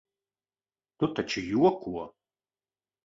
Tu taču joko?